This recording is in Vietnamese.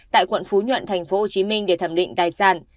tại quận phú nhuận tp hcm để thẩm định tài sản